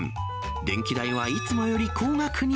電気代はいつもより高額に。